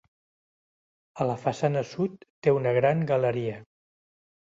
A la façana sud té una gran galeria.